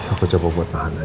aku coba buat tahan aja